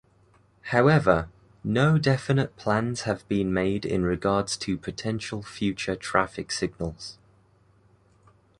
However, no definite plans have been made in regards to potential future traffic signals.